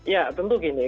ya tentu gini